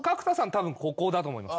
たぶんここだと思います。